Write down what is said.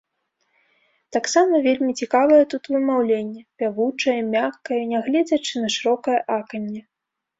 Таксама вельмі цікавае тут вымаўленне, пявучае, мяккае, нягледзячы на шырокае аканне.